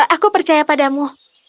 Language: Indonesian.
aku percaya padamu